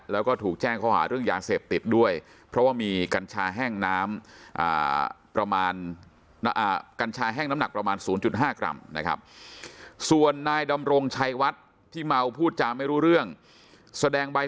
แล้วก็ถูกแจ้งเขาหาเรื่องยาเสพติดด้วยเพราะว่ามีกัญชาแห้งน้ำประมาณ๐๕กรัมนะครับ